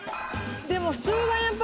でも普通はやっぱ。